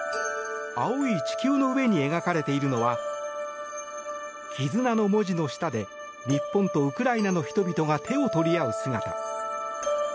青い地球の上に描かれているのは「絆」の文字の下で日本とウクライナの人々が手を取り合う姿。